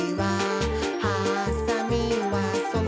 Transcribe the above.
「はさみはそのまま、」